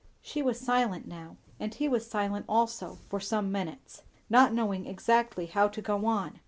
She was silent now, and he was silent also, for some minutes; not knowing exactly how to go on.